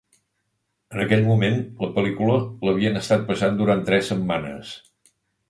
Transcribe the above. En aquell moment, la pel·lícula l'havien estat passant durant tres setmanes.